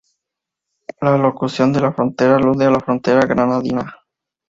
La locución "de la Frontera" alude a la Frontera Granadina.